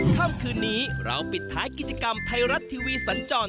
ค่ำคืนนี้เราปิดท้ายกิจกรรมไทยรัฐทีวีสันจร